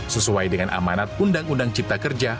sesuai dengan amanat undang undang cipta kerja